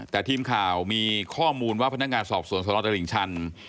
แต่ทีมข่าวมีข้อมูลว่าพนักงานสอบสวนสนตลิ่งชัน